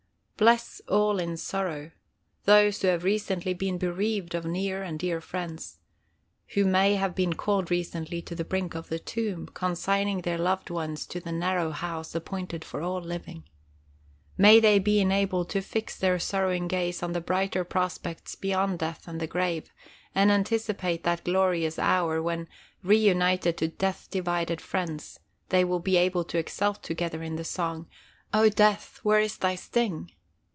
Bless all in sorrow; those who have recently been bereaved of near and dear friends, who may have been called recently to the brink of the tomb, consigning their loved ones to the narrow house appointed for all living. May they be enabled to fix their sorrowing gaze on the brighter prospects beyond death and the grave, and anticipate that glorious hour when, reunited to death divided friends, they will be able to exult together in the song, "O death, where is thy sting?